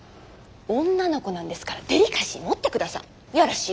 女の子なんですからデリカシー持ってください。